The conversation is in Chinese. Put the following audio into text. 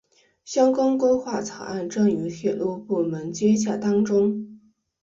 相关规划草案正与铁路部门接洽当中。